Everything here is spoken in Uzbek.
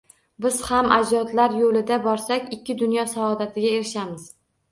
Biz ham ajdodlar yo‘lidan borsak, ikki dunyo saodatiga erishamiz.